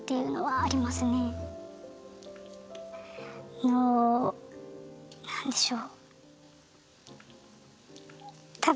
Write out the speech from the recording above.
あのなんでしょう。